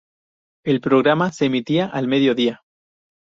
El programa se emitía al mediodía.